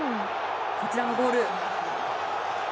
こちらのゴール。